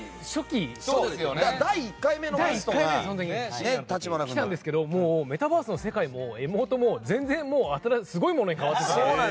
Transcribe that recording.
第１回目の時に来たんですけどもう、メタバースの世界もエモートも全然すごいものに変わっていて。